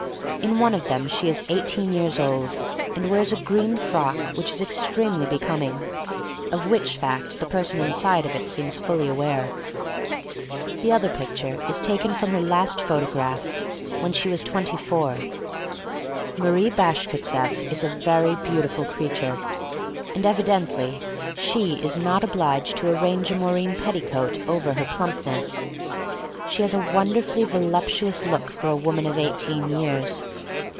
In one of them she is eighteen years old and wears a green frock which is extremely becoming — of which fact the person inside of it seems fully aware. 258 THE STORY OF MARY MAC LANE The Other picture is taken from her last photograph, when she was twenty four. Marie Bashkirtseff is a very beautiful creature. And evidently she is not obliged to arrange a moreen petticoat over her plumpness. She has a won derfully voluptuous look for a woman of eighteen years.